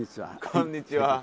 こんにちは。